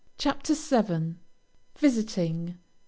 CHAPTER VII. VISITING.